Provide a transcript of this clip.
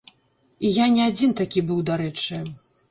І я не адзін такі быў, дарэчы.